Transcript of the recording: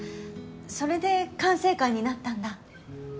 それで管制官になったんだ。